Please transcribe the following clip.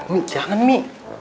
omi jangan mi